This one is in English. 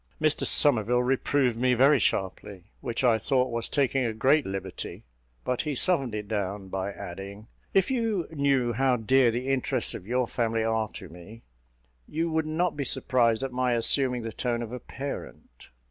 Mr Somerville reproved me very sharply, which I thought was taking a great liberty; but he softened it down by adding, "If you knew how dear the interests of your family are to me, you would not be surprised at my assuming the tone of a parent."